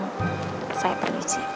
saya pergi sih